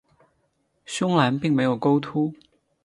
胸篮并没有钩突。